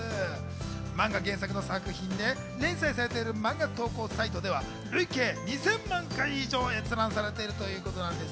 漫画原作の作品で連載されている漫画投稿サイトでは累計２０００万回以上閲覧されているということです。